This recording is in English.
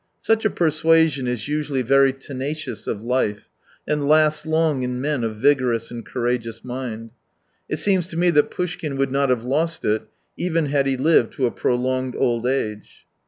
Such a persuasion is usually very tenacious of life, and lasts long in men of vigorous and courageous mind. It seems to me that Poushkin would not have lost it, even had he lived to a prolonged old age.